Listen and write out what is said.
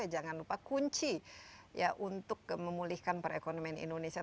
jangan lupa kunci ya untuk memulihkan perekonomian indonesia